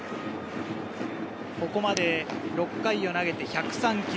ここまで６回を投げて１０３球。